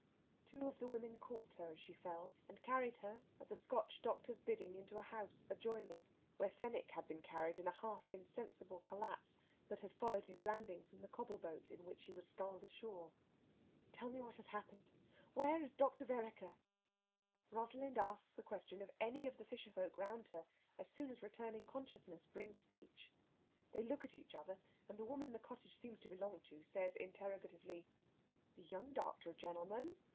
Two of the women caught her as she fell, and carried her at the Scotch doctor's bidding into a house adjoining, where Fenwick had been carried in a half insensible collapse that had followed his landing from the cobble boat in which he was sculled ashore. "Tell me what has happened. Where is Dr. Vereker?" Rosalind asks the question of any of the fisher folk round her as soon as returning consciousness brings speech. They look at each other, and the woman the cottage seems to belong to says interrogatively, "The young doctor gentleman?"